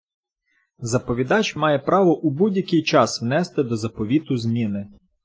Заповідач має право у будь-який час внести до заповіту зміни.